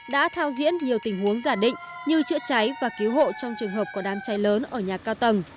đã thao diễn nhiều tình huống giả định như chữa cháy và cứu hộ trong trường hợp có đám cháy lớn ở nhà cao tầng